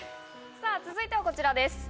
続いてはこちらです。